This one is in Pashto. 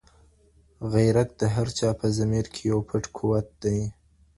غیرت د هر چا په ضمیر کي یو پټ قوت دی.